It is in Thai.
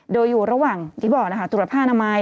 โดยอยู่ระหว่างที่บอกนะคะตรวจผ้าอนามัย